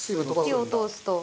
火を通すと。